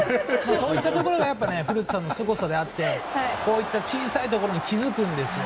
そういったところが古田さんのすごさであってこういった小さなところにも気づくんですよ。